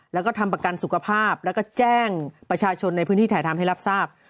แล้วก็ทำประกันสุขภาพแล้วก็แจ้งประชาชนในพื้นที่ถ่ายทำให้รับทราบ